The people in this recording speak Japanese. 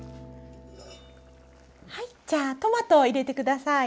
はいじゃあトマトを入れて下さい。